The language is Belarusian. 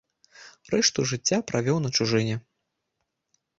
Рэшту жыцця правёў на чужыне.